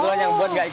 buat sendiri mbak